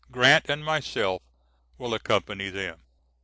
Grant and myself, will accompany them.